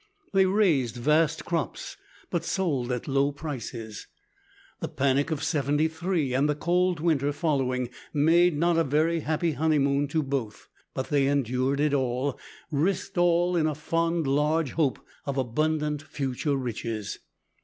They raised vast crops, but sold at low prices. The panic of '73, and the cold winter following, made not a very happy honeymoon to both, but they endured it all, risked all in a fond large hope of abundant future riches.